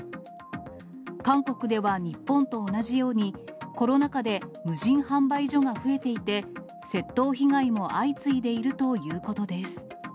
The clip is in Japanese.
韓国では日本と同じように、コロナ禍で無人販売所が増えていて、窃盗被害も相次いでいるということです。